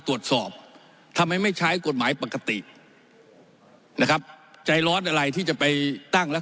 ตรวจสอบทำไมไม่ใช้กฎหมายปกตินะครับใจร้อนอะไรที่จะไปตั้งแล้ว